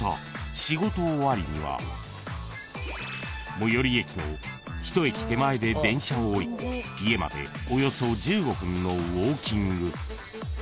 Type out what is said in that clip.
［最寄り駅の一駅手前で電車を降り家までおよそ１５分のウオーキング］